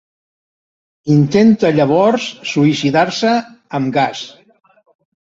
Intenta llavors suïcidar-se amb gas.